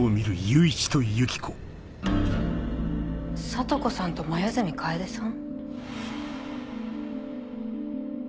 聡子さんと黛かえでさん？